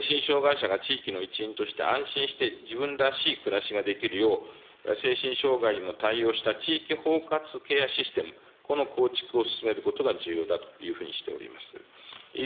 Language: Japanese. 精神疾患の医療提供体制の構築に当たっては、精神障害者が地域の一員として、安心して自分らしい暮らしができるよう、精神障害にも対応した地域包括ケアシステム、この構築を進めることが重要だというふうにしております。